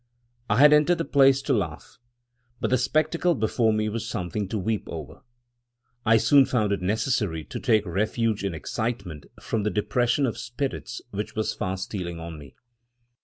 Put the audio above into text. I had entered the place to laugh, but the spectacle before me was something to weep over. I soon found it necessary to take refuge in excitement from the depression of spirits which was fast stealing on me.